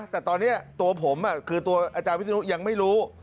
แต่ตอนนี้ตัวผมคือตัวอาจารย์วิศนุยังไม่รู้